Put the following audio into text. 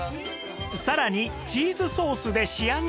さらにチーズソースで仕上げ